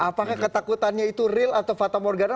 apakah ketakutannya itu real atau fata morgana